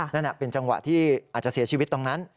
นั่นเป็นจังหวะที่อาจจะเสียชีวิตตรงนั้น